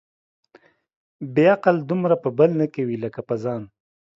بې عقل دومره په بل نه کوي ، لکه په ځان.